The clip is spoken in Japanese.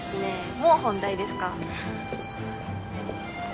もう本題ですか？